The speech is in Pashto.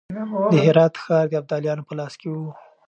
د هرات ښار د ابدالیانو په لاس کې و.